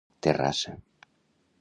Terrassa.